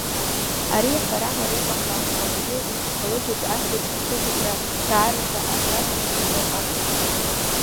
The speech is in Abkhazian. Ари аҳәара мариоуп, аха ауаҩы иԥсихологиаҿы ас еиԥш аҽеиҭакра даараӡа акраҵанакуазар акәхап?